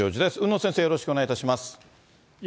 海野先生、よろしくお願いいたします。